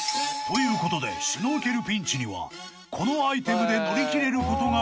［ということでシュノーケルピンチにはこのアイテムで乗り切れることが分かった］